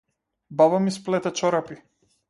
Баба ми сплете чорапи.